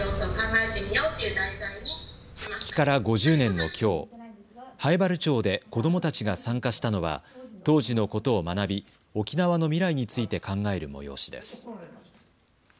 復帰から５０年のきょう、南風原町で子どもたちが参加したのは当時のことを学び、沖縄の未来について考える催しです。